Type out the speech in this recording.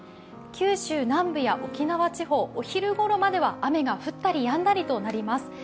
九州南部や沖縄地方お昼ごろまで雨が降ったりやんだりとなります。